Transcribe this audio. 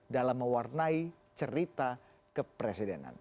dalam mewarnai cerita kepresidenan